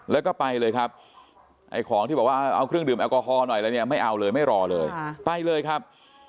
แล้วก็ไปเลยครับไอ้ของที่บอกว่าเอาเครื่องดื่มแอลกอฮอล์หน่อยอะไรเนี่ยไม่เอาเลยไม่รอเลยไปเลยครับ